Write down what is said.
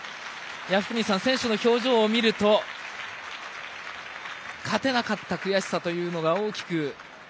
福西さん、選手の表情見ると勝てなかった悔しさというのが大きく。